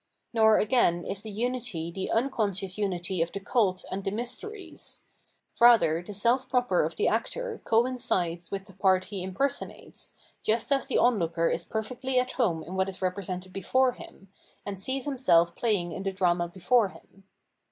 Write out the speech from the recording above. Nor again is the unity the uncon scious unity of the cult and the mysteries; rather the self proper of the actor coincides with the part * In comedy. 758 Phenomenology of Mind he impersonates, just as the onlooker is perfectly at home in what is represented before him, and sees himself playing in the drama before him..